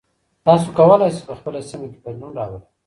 تاسو کولای سئ په خپله سیمه کې بدلون راولئ.